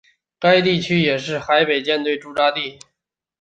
该区也是北海舰队驻扎地。